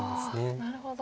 なるほど。